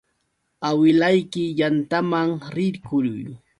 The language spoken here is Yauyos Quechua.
Awilayki yantaman rirquy.